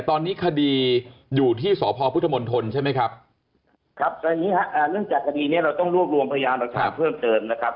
ตอนนี้คดีอยู่ที่สพพัทธมณฑลใช่ไหมครับ